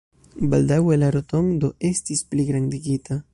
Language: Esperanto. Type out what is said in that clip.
Baldaŭe la rotondo estis pligrandigita.